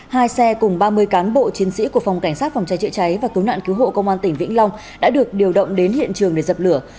hai xe cùng ba mươi cán bộ chiến sĩ của phòng cảnh sát phòng cháy chữa cháy và cứu nạn cứu hộ công an tỉnh vĩnh long đã được điều động đến hiện trường để dập lửa